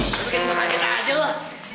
aduh lo mungkin mau kemana aja lo